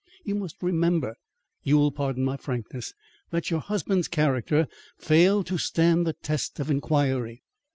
You must remember you will pardon my frankness that your husband's character failed to stand the test of inquiry.